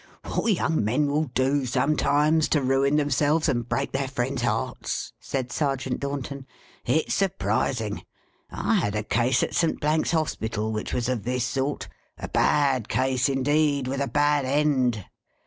"What young men will do, sometimes, to ruin themselves and break their friends' hearts," said Serjeant Dornton, "it's sur prising ! I had a case at Saint Blank's Hos pital which was of this sort. A bad case, indeed, with a bad end